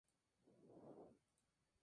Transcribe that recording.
Su nombre de nacimiento era Michael Heinrich.